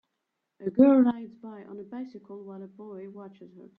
A girl rides by on a bicycle while a boy watches her